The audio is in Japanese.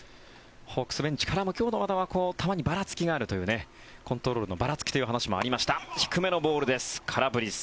ホークスベンチからも今日の和田は球にばらつきがあるというコントロールのばらつきという話もありました。